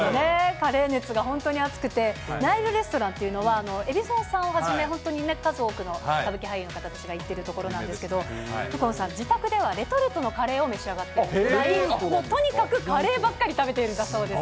カレー熱が本当に熱くて、ナイルレストランというのは、海老蔵さんをはじめ、本当に数多くの歌舞伎俳優の方たちが行ってるところなんですけど、右近さん、自宅では、レトルトのカレーを召し上がっているぐらいもうとにかくカレーばっかり食べているんだそうです。